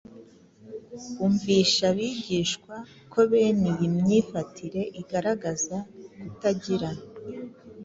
Umvisha abigishwa ko bene iyi myifatire igaragaza kutagira